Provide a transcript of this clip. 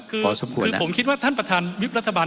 คือผมคิดว่าท่านประธานวิบรัฐบาล